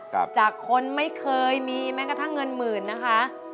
จากคนไม่เคยมีแม้กระทั่งเงินหมื่นนะคะ